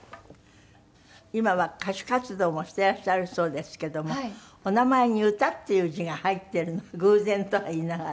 今は歌手活動もしていらっしゃるそうですけどもお名前に「歌」っていう字が入っているの偶然とは言いながら。